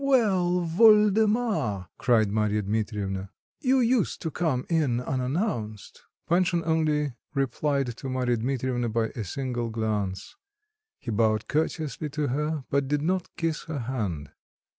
"Well, Woldemar," cried Marya Dmitrievna, "you used to come in unannounced!" Panshin only replied to Marya Dmitrievna by a single glance. He bowed courteously to her, but did not kiss her hand.